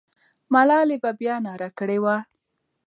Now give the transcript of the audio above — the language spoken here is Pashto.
ملالۍ به بیا ناره کړې وه.